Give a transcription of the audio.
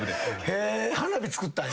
へぇ花火作ったんや。